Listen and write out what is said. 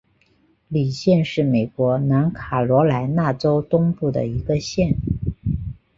李县是美国南卡罗莱纳州东部的一个县。